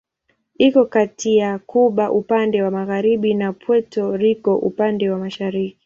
Iko kati ya Kuba upande wa magharibi na Puerto Rico upande wa mashariki.